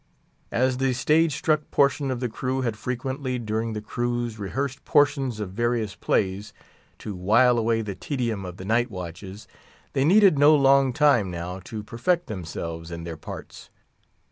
As the stage struck portion of the crew had frequently during the cruise rehearsed portions of various plays, to while away the tedium of the night watches, they needed no long time now to perfect themselves in their parts.